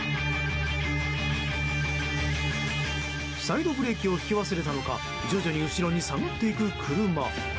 サイドブレーキを引き忘れたのか徐々に後ろに下がっていく車。